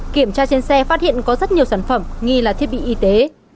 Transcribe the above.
kiểm tra trên xe phát hiện có rất nhiều sản phẩm nghi là thiết bị y tế